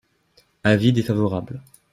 Avis défavorable.